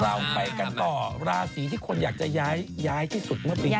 เราก็ต่อราศรีที่คนอยากจะย้ายย้ายที่สุด